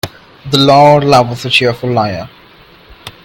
The Lord loveth a cheerful liar.